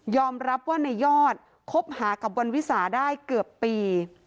รับว่าในยอดคบหากับวันวิสาได้เกือบปี